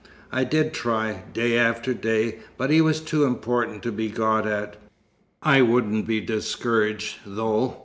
I did try, day after day, but he was too important to be got at. I wouldn't be discouraged, though.